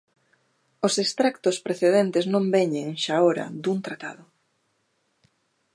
Os extractos precedentes non veñen, xaora, dun tratado.